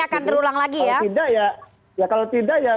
akan terulang lagi ya kalau tidak ya